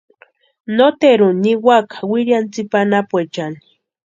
Noteruni niwaka wiriani tsipa anapuechani.